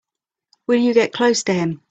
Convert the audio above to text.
Will you get close to him?